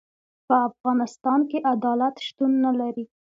په افغانستان کي عدالت شتون نلري.